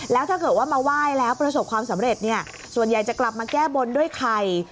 แล้วถ้าเกิดว่ามาไหว้แล้วประสบความสำเร็จเนี่ยส่วนใหญ่จะกลับมาแก้บนด้วยไข่